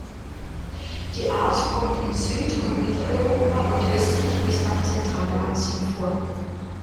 Die Art kommt in Süd- und Mitteleuropa und östlich bis nach Zentralasien vor.